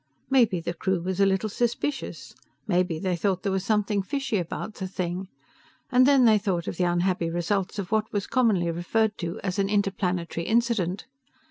Maybe the crew was a little suspicious, maybe they thought there was something fishy about the thing, and then they thought of the unhappy results of what was commonly referred to as an "interplanetary incident."